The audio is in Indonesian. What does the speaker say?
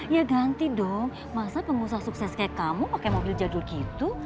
ya ganti dong masa pengusaha sukses kayak kamu pakai mobil jadul gitu